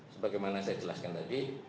sebagaimana saya jelaskan tadi